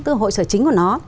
từ hội sở chính của nó